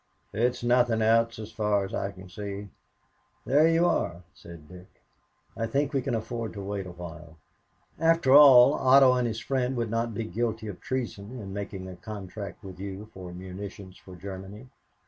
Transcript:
"It's nothing else as far as I can see." "There you are," said Dick. "I think we can afford to wait awhile. After all, Otto and his friend would not be guilty of treason in making a contract with you for munitions for Germany.